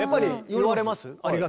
言われます